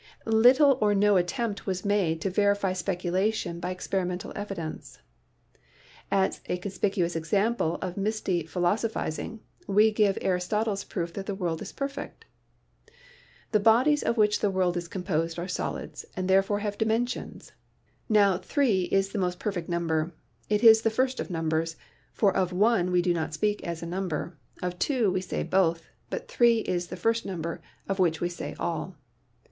Little or no attempt was made to verify speculation by experimental evidence. As a con spicuous example of misty philosophizing we give Aris totle's proof that the world is perfect: The bodies of which the world is composed are solids, and therefore have dimensions. Now, three is the most perfect number — it is the first of numbers, for of one we do not speak as a number, of two we say both, but three is the first number of which we say all.